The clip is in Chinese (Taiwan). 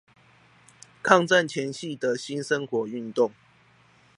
抗戰前夕的新生活運動